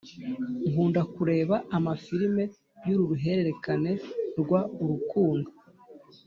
Nkunda kureba ama filime y’ uruhererekane rwa urukundo